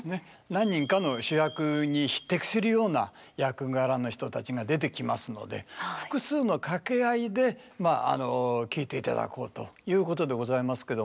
何人かの主役に匹敵するような役柄の人たちが出てきますので複数の掛合で聴いていただこうということでございますけども。